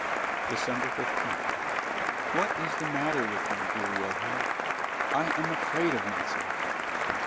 DECEMBER 15. What is the matter with me, dear Wilhelm? I am afraid of myself!